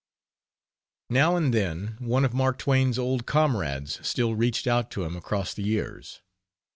Now and then one of Mark Twain's old comrades still reached out to him across the years.